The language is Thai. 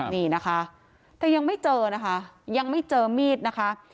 นี่นะคะแต่ยังไม่เจอนะคะยังไม่เจอมีดนะคะ